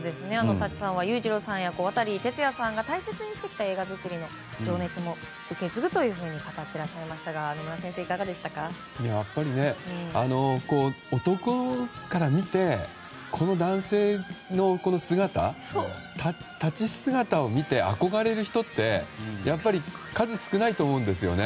舘さんは裕次郎さんや渡哲也さんが大切にしてきた映画作りの情熱も受け継ぐというふうに語ってらっしゃいましたが男から見て、この男性の姿立ち姿を見て憧れる人って数少ないと思うんですよね。